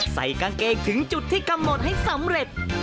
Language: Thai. ใส่กางเกงถึงจุดที่กำหนดให้สำเร็จ